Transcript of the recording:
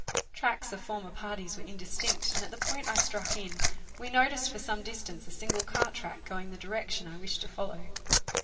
Tracks of former parties were indistinct, and at the point I struck in we noticed for some dis tance a single cart track going the direction I wished to follow.